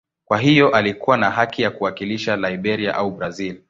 Kwa hiyo alikuwa na haki ya kuwakilisha Liberia au Brazil.